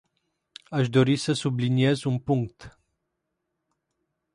Aș dori să subliniez un punct.